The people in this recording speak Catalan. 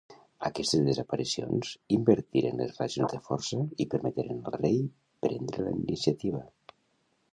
Aquestes desaparicions invertiren les relacions de força i permeteren al rei prendre la iniciativa.